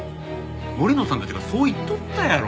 森野さんたちがそう言っとったやろ。